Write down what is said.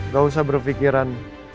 gak usah berpikiran